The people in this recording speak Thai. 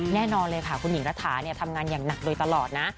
แน่นอนเลยค่ะคุณหญิงรัทดาแจ๊คเค้ามี้งทำงานอย่างหนักโดยตลอดนะ